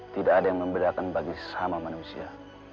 tidak ada yang membedakan bagi sesama manusia